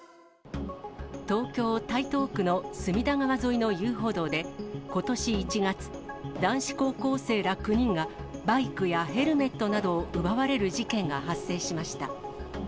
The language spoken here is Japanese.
東京・台東区の隅田川沿いの遊歩道で、ことし１月、男子高校生ら９人がバイクやヘルメットなどを奪われる事件が発生しました。